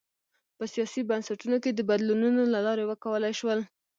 په سیاسي بنسټونو کې د بدلونونو له لارې وکولای شول.